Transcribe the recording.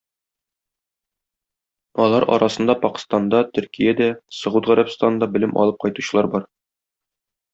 Алар арасында Пакыстанда, Төркиядә, Согуд Гарәбстанында белем алып кайтучылар бар.